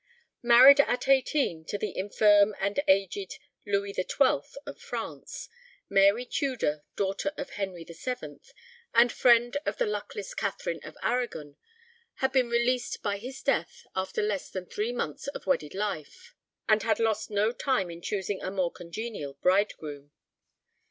Married at eighteen to the infirm and aged Louis XII. of France, Mary Tudor, daughter of Henry VII. and friend of the luckless Katherine of Aragon, had been released by his death after less than three months of wedded life, and had lost no time in choosing a more congenial bridegroom.